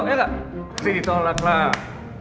masih ditolak lah